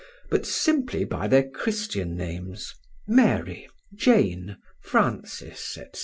but simply by their Christian names—Mary, Jane, Frances, &c.